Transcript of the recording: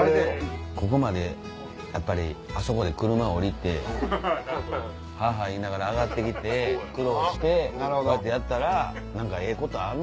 ここまでやっぱりあそこで車降りてハァハァ言いながら上がって来て苦労してこうやったら何かええことある。